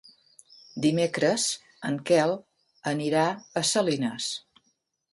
Dimecres en Quel anirà a Salines.